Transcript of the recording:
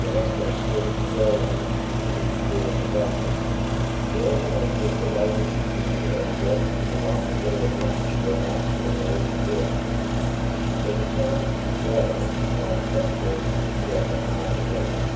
The next thing she did was to go and ask Beenie to give her some breakfast. The old woman was delighted to see her, and ready to lock her door at once and go back to her old quarters. They returned together, while Testbridge was yet but half awake.